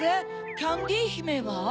キャンディひめは？